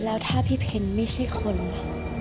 แล้วถ้าพี่เพนไม่ใช่คนล่ะ